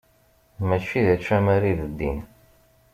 Mačči d ačamar i d ddin.